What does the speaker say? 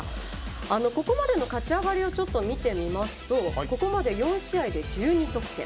ここまでの勝ち上がりをちょっと見てみますとここまで４試合で１２得点。